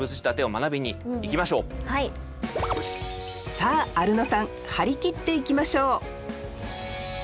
さあアルノさん張り切っていきましょう！